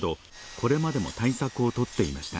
これまでも対策を取っていました